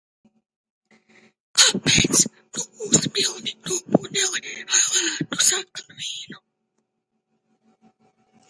Kāpēc tu uzpildi to pudeli ar lētu sarkanvīnu?